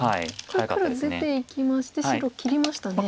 これ黒出ていきまして白切りましたね。